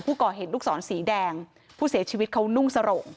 ผู้ก่อเหตุลูกศรสีแดงผู้เสียชีวิตเขานุ่งสโรง